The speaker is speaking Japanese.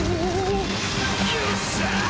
よっしゃ‼